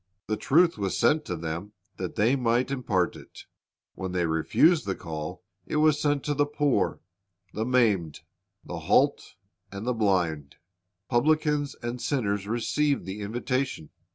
The truth was sent to them that they might impart it. When they refused the call, it was sent to the poor, the maimed, the halt, and the blind. Publicans and sinners received the invitation.